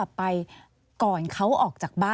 อันดับ๖๓๕จัดใช้วิจิตร